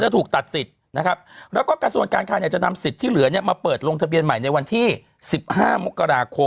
ถูกตัดสิทธิ์ตัดสิทธิ์วันที่๑๕มก